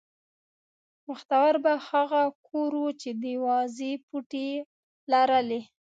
بختور به هغه کور و چې د وازې پوټې یې لرلې.